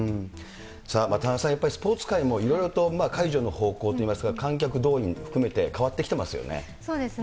田中さん、スポーツ界もいろいろと解除の方向といいますか、観客動員含めて、そうですね。